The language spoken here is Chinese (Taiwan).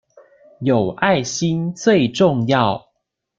有愛心最重要